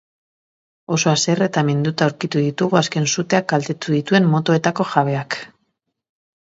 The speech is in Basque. Oso haserre eta minduta aurkitu ditugu azken suteak kaltetu dituen motoetako jabeak.